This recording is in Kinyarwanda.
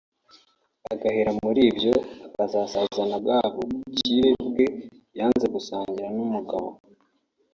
agahera muri ibyo akazasazana bwa bukire bwe yanze gusangira n’umugabo